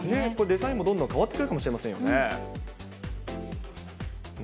デザインもどんどん変わってくるかもしれませんよね。